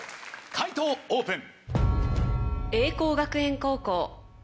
解答オープン。